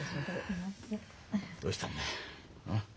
どうしたんだ？